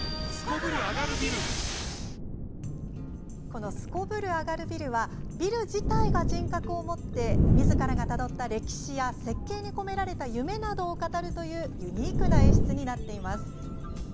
この「すこぶるアガるビル」はビル自体が人格を持ってみずからがたどった歴史や設計に込められた夢などを語るというユニークな演出になっています。